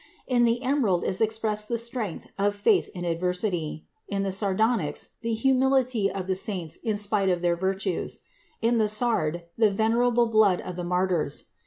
In the emerald is expressed the strength of faith in adversity; in the sardonyx, the humility of the saints in spite of their virtues; in the sard, the venerable blood of the martyrs.